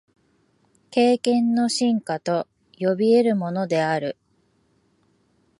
経験の深化と呼び得るものである。